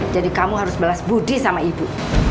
jadi kamu harus balas budi sama ibu